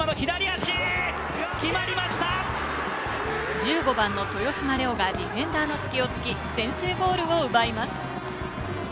１５番・豊嶋蓮央がディフェンダーの隙をつき、先制ゴールを奪います。